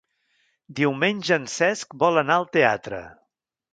Diumenge en Cesc vol anar al teatre.